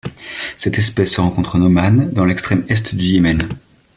Cette espèce se rencontre en Oman et dans l'extrême Est du Yémen.